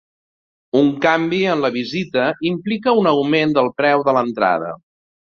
Un canvi en la visita implica un augment del preu de l'entrada.